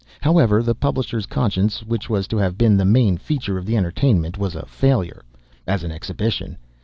However, the publisher's conscience, which was to have been the main feature of the entertainment, was a failure as an exhibition.